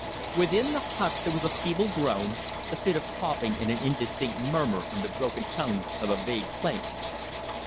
Within the hut there was a feeble groan, a fit of coughing and an indistinct murmur in the broken tones of a vague plaint.